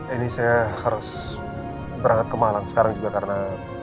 ini saya harus berangkat ke malang sekarang juga karena